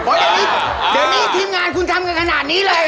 เดี๋ยวนี้ทีมงานคุณทำกันขนาดนี้เลย